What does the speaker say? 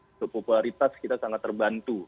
untuk popularitas kita sangat terbantu